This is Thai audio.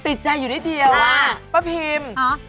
ติดใจอยู่นิดเดียวอะป้าพิมย์เหรอ